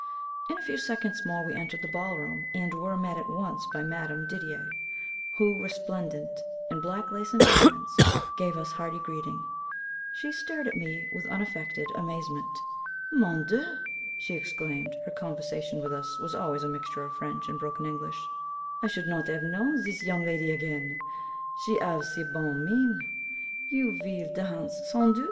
In a few seconds more we entered the ballroom, and were met at once by Madame Didier, who, resplendent in black lace and diamonds, gave us hearty greeting. She stared at me with unaffected amazement. "Mon dieu!" she exclaimed her conversation with us was always a mixture of French and broken English "I should not 'ave know zis young lady again! She 'ave si bonne mine. You veel dance, sans doute?"